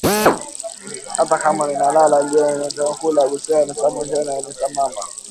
Ata kama mina lala jee mitalamuka busubuyi sana nju nimu saidiye mama